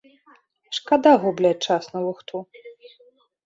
Шкада губляць час на лухту.